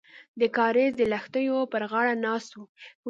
د کاریز د لښتیو پر غاړه ناست وو.